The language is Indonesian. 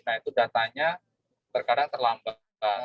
nah itu datanya terkadang terlambat